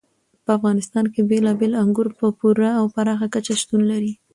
په افغانستان کې بېلابېل انګور په پوره او پراخه کچه شتون لري.